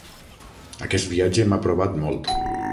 Aquest viatge m'ha provat molt.